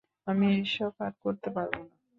আমি এসব আর করতে পারবো না!